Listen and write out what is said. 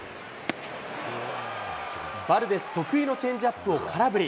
バルデス得意のチェンジアップを空振り。